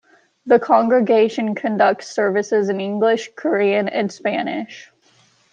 The congregation conducts services in English, Korean, and Spanish.